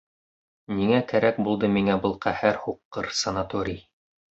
Ниңә кәрәк булды миңә был ҡәһәр һуҡҡыр санаторий?!